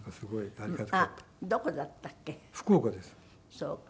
そうか。